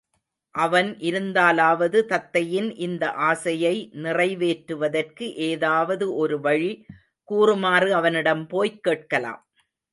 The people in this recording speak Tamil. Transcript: அவன் இருந்தலாவது தத்தையின் இந்த ஆசையை நிறைவேற்றுவதற்கு ஏதாவது ஒருவழி கூறுமாறு அவனிடம் போய்க் கேட்கலாம்.